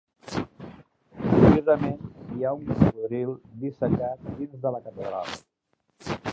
Curiosament, hi ha un cocodril dissecat dins de la catedral.